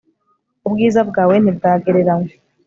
ubwiza bwawe ntibwagereranywa